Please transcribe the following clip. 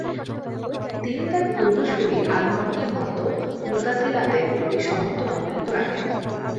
তিনি তার পূর্বসূরি আল মামুনের মত মুতাজিলাদের প্রতি সমর্থন অব্যাহত রাখেন।